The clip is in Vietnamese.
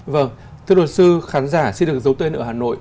vâng thưa luật sư khán giả xin được giấu tên ở hà nội